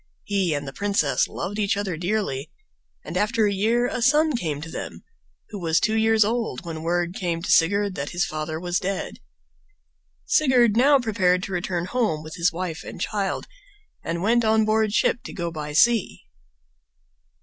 He and the princess loved each other dearly, and after a year a son came to them, who was two years old when word came to Sigurd that his father was dead. Sigurd now prepared to return home with his wife and child and went on board ship to go by sea.